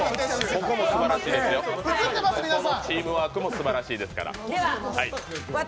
ここのチームワークもすばらしいですから。